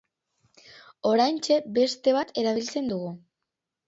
Oraintxe beste bat erabiltzen dugu.